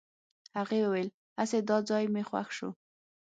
هغې وويل هسې دا ځای مې خوښ شو.